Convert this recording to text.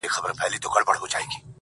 ژونده د څو انجونو يار يم، راته ووايه نو.